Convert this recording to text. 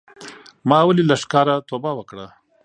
ما ولې له ښکاره توبه وکړه